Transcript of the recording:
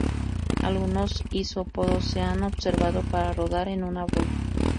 Algunos isópodos se han observado para rodar en una bola.